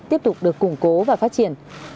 tiếp tục được củng cố và phát triển